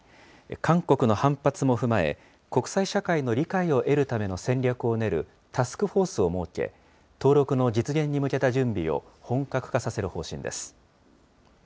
韓国の反発も踏まえ、国際社会の理解を得るための戦略を練る、タスクフォースを設け、登録の実現に向けた準備を本格化させる方針です。